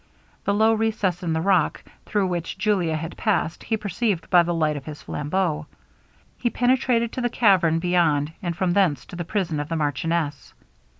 The low recess in the rock, through which Julia had passed, he perceived by the light of his flambeau. He penetrated to the cavern beyond, and from thence to the prison of the marchioness.